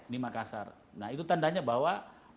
di makassar nah itu tandanya bahwa